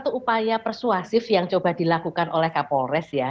itu upaya persuasif yang coba dilakukan oleh kapolres ya